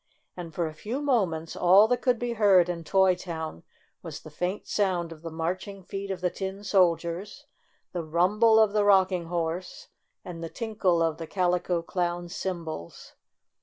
And, for a few moments, all that could be heard in Toy Town was the faint sound of the marching feet of the tin soldiers, the rumble of the Rocking Horse and the tinkle of the Calico Clown's cymbals.